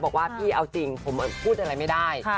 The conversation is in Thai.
บอกว่าพี่เอาจริงผมพูดอะไรไม่ได้